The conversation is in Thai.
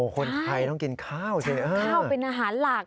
คนไทยต้องกินข้าวจริงเออทำค่าวเป็นอาหารหลาก